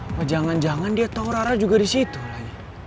apa jangan jangan dia tau rara juga di situ lagi